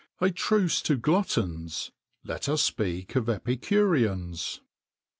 [XXIX 24] A truce to gluttons. Let us speak of epicureans.